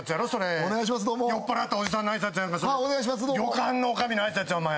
旅館の女将の挨拶やお前。